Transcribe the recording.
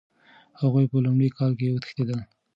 هغوی په لومړي کال کې وتښتېدل.